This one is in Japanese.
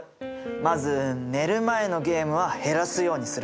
まず寝る前のゲームは減らすようにする。